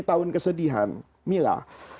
tahun kesedihan milah